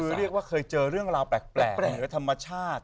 คือเรียกว่าเคยเจอเรื่องราวแปลกธรรมชาติ